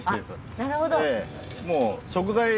なるほど。